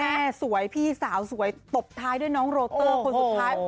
สวยพี่สาวสวยตบท้ายด้วยน้องโรเตอร์คนสุดท้าย